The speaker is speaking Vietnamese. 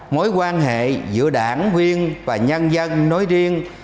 mối quan hệ giữa đảng viên và nhân dân nói riêng